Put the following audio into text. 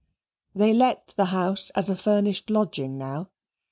They let the house as a furnished lodging now.